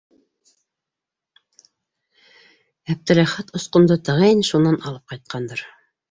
Әптеләхәт осҡондо, тәғәйен, шунан алып ҡайтҡандыр...